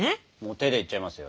手でいっちゃいますよ。